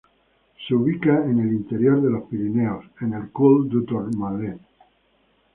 Se ubica en el interior de los "Pirineos" en el Col du Tourmalet.